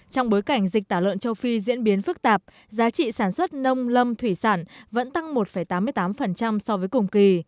trong bối cảnh dịch tả lợn châu phi diễn biến phức tạp giá trị sản xuất nông lâm thủy sản vẫn tăng một tám mươi tám so với cùng kỳ